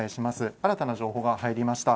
新たな情報が入りました。